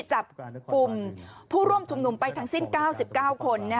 จับกลุ่มผู้ร่วมชุมนุมไปทั้งสิ้น๙๙คน